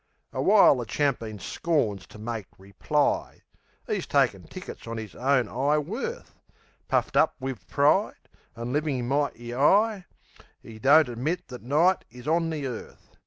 A wile the champeen scorns to make reply; 'E's taken tickets on 'is own 'igh worth; Puffed up wiv pride, an' livin' mighty 'igh, 'E don't admit that Night is on the earth.